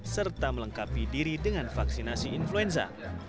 serta melengkapi diri dengan vaksinasi influenza